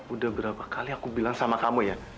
udah berapa kali aku bilang sama kamu ya